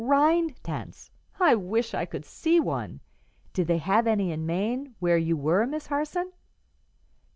"'Rind tents'! I wish I could see one. Did they have any in Maine where you were, Miss Harson?"